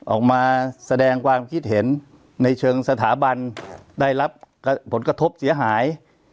ออกมาแสดงความคิดเห็นในเชิงสถาบันได้รับผลกระทบเสียหาย